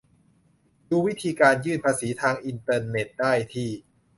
ดูวิธีการยื่นภาษีทางอินเทอร์เน็ตได้ที่